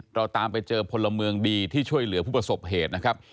เราตามไปเจอพลเมืองดีที่ช่วยเหลือผู้ประสบเหตุนะครับ